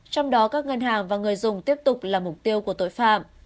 trong đó các ngân hàng và người dùng tiếp tục là mục tiêu của tội phạm